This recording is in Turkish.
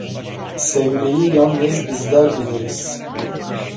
Sevmeyi yalnız bizler biliriz…